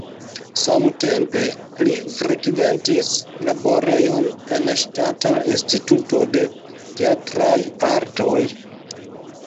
Samtempe li frekventis laborejon en Ŝtata Instituto de Teatraj Artoj.